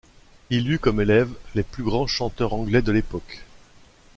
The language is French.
Il eut comme élèves les plus grands chanteurs anglais de l'époque.